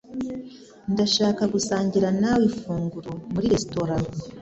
Ndashaka gusangira nawe ifunguro muri resitora.